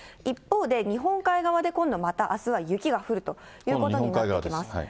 一方で日本海側で今度はまたあすは雪が降るということになってきます。